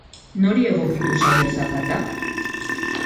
Nori egokituko zaio zapata?